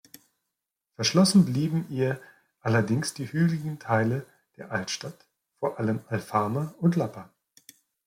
Verschlossen blieben ihr allerdings die hügeligen Teile der Altstadt, vor allem Alfama und Lapa.